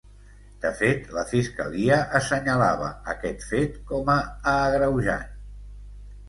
De fet, la fiscalia assenyalava aquest fet com a agreujant.